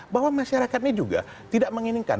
bahwa masyarakat ini juga tidak menginginkan